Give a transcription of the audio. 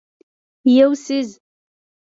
یو څیز